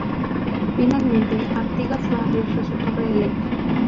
Finalmente Artigas Barrios resultó reelecto.